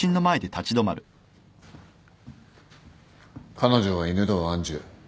彼女は犬堂愛珠。